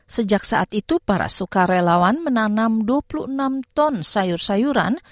sejak saat itu para sukarelawan menanam dua puluh enam ton sayur sayuran